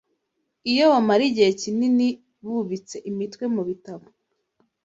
iyo bamara igihe kinini bubitse imitwe mu bitabo